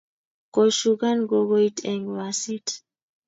Koshukan kokoit eng basit